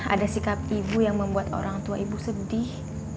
ada sikap ibu yang membuat orang tua ibu sedih